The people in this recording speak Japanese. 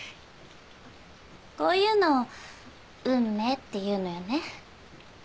こういうのを運命っていうのよね。